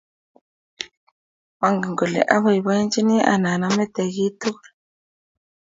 mangen kole abaibaichi anan amete kiy tugul